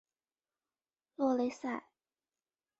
洛雷塞。